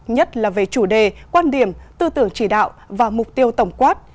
nhất là về chủ đề quan điểm tư tưởng chỉ đạo và mục tiêu tổng quát